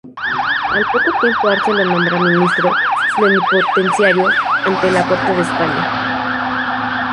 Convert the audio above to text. Al poco tiempo Arce lo nombra ministro plenipotenciario ante la corte de España.